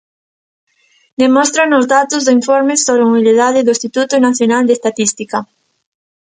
Demóstrano os datos do informe sobre mobilidade do Instituto Nacional de Estatística.